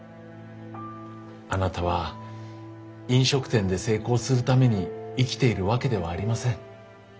あなたは飲食店で成功するために生きているわけではありません。